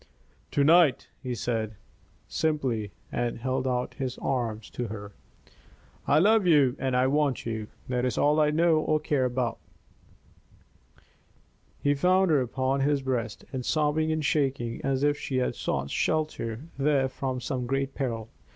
"To night," he said, simply, and held out his arms to her. "I love you and I want you. That is all I know or care about." He found her upon his breast, sobbing and shaking as if she had sought shelter there from some great peril.